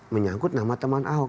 menyangkut nama teman aho